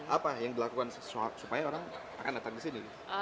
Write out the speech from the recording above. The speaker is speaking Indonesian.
apa yang dilakukan supaya orang akan datang ke sini